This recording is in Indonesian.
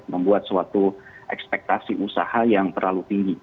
membuat suatu ekspektasi usaha yang terlalu tinggi